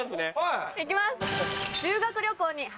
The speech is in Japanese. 行きます！